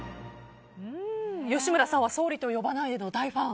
吉村さんは「総理と呼ばないで」の大ファン。